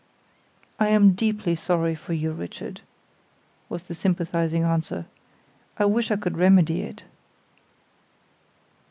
"I am deeply sorry for you, Richard," was the sympathizing answer. "I wish I could remedy it."